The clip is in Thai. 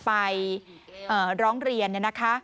ไปร้องเรียนเนี่ยนะคะ